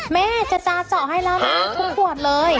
แม่จะจาเจาะให้แล้วนะทุกขวดเลย